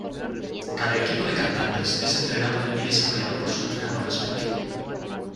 Cada equipo de cantantes es entrenado y desarrollado por su entrenador respectivo.